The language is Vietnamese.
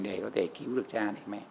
để cứu được cha và mẹ